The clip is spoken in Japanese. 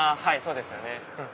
はいそうですよね。